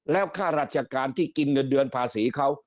แล้วค่าราชการที่กินเงินเดือนภาษีเขา